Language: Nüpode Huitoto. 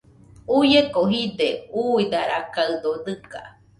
Uieko jide, uidarakaɨdo dɨga.